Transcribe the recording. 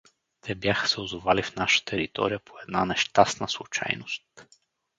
Те бяха се озовали в наша територия по една нещастна случайност.